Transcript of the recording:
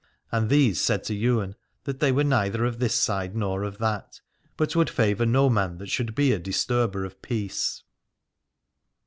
And these said to Ywain that they were neither of this side nor of that, but would favour no man that should be a disturber of peace.